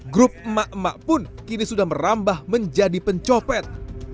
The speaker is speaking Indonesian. grup emak emak pun kini sudah merambah menjadi pencopet